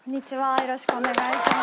よろしくお願いします！